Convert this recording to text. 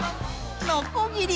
のこぎり。